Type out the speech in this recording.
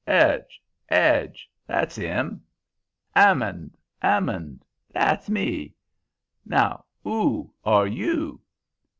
'Edge! 'Edge! that's 'im! 'Ammond! 'Ammond! that's me. Now, 'oo are YOU?'